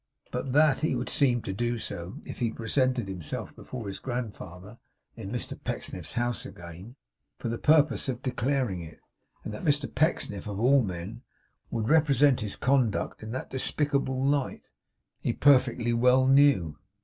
But that he would seem to do so, if he presented himself before his grandfather in Mr Pecksniff's house again, for the purpose of declaring it; and that Mr Pecksniff, of all men, would represent his conduct in that despicable light, he perfectly well knew.